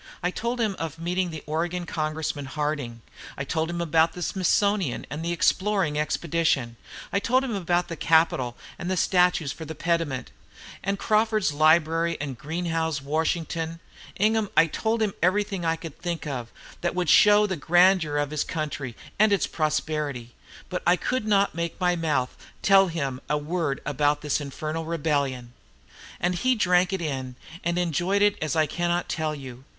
I told him of meeting the Oregon Congressman, Harding; I told him about the Smithsonian, and the Exploring Expedition; I told him about the Capitol, and the statues for the pediment, and Crawford's Liberty, and Greenough's Washington: Ingham, I told him everything I could think of that would show the grandeur of his country and its prosperity; but I could not make up my mouth to tell him a word about this infernal rebellion! "And he drank it in and enjoyed it as I cannot tell you.